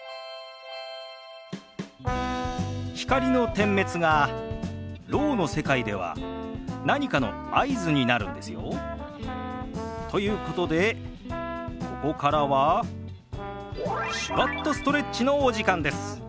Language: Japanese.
光の点滅がろうの世界では何かの合図になるんですよ。ということでここからは「手話っとストレッチ」のお時間です。